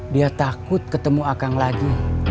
dia takut ketemu akang lagi